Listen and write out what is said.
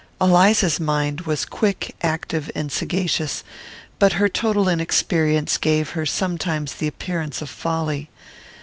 Eliza's mind was quick, active, and sagacious; but her total inexperience gave her sometimes the appearance of folly.